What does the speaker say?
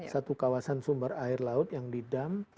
satu kawasan sumber air laut yang di dam